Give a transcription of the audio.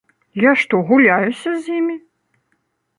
Я што, гуляюся з імі?